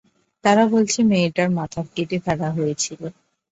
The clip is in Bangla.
তারা বলছে মেয়েটার মাথা কেটে ফেলা হয়েছিলো।